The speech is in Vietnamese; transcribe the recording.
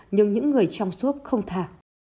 nhưng những người trong shop không tha